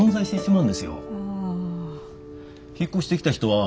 うん。